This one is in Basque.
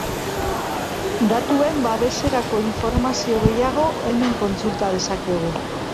Datuen Babeserako informazio gehiago hemen kontsulta dezakegu.